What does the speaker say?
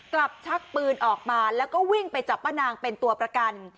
ชักปืนออกมาแล้วก็วิ่งไปจับป้านางเป็นตัวประกัน